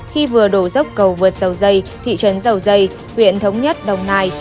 khi vừa đổ dốc cầu vượt dầu dây thị trấn dầu dây huyện thống nhất đồng nai